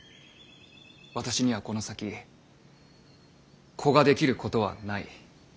私にはこの先子ができることはない。